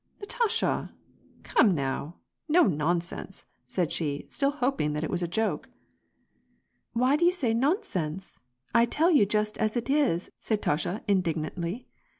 Natasha ! Come now ! No nonsense !" said she, still hop ing that it was a joke. "Why do you say 'nonsense.' I tell you just as it is," said Natasha, indignantly.